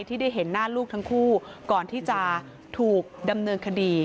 ที่ได้เห็นหน้าลูกทั้งคู่ก่อนที่จะถูกดำเนินคดี